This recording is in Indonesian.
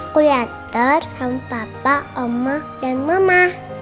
kuliah tersebut papa oma dan mama